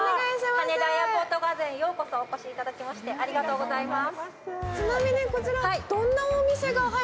羽田エアポートガーデンへようこそお越しいただきまして、ありがとうございます。